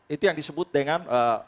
itu yang disebut dengan